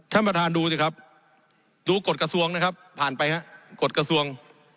ท่านประธานดูสิครับดูกฎกระทรวงนะครับผ่านไปฮะกฎกระทรวง